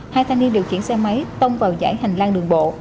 hai thanh niên điều khiển xe máy tông vào giải hành lang đường bộ